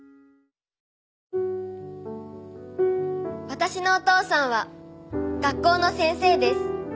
「私のお父さんは学校の先生です」